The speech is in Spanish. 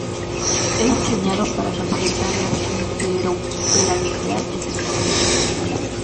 Es diseñado para facilitar la interoperabilidad entre sistemas.